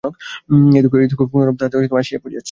এই দুঃখ কোনরূপে তাহাতে আসিয়া পড়িয়াছে।